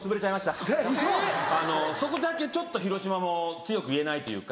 そこだけちょっと広島も強く言えないというか。